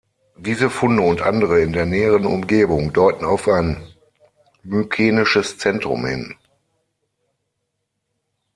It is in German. Diese Funde und andere in der näheren Umgebung deuten auf ein mykenisches Zentrum hin.